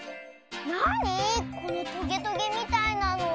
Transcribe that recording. なにこのトゲトゲみたいなの？